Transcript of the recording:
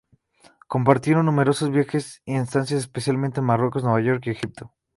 Compartieron numerosos viajes y estancias, especialmente en Marruecos, Nueva York y Egipto.